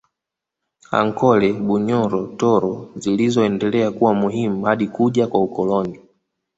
Ankole Bunyoro Toro zilizoendelea kuwa muhimu hadi kuja kwa ukoloni